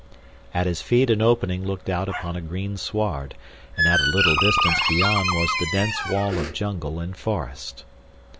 At his feet an opening looked out upon a green sward, and at a little distance beyond was the dense wall of jungle and forest.